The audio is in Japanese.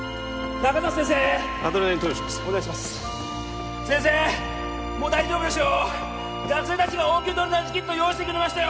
学生達が応急ドレナージキットを用意してくれましたよ！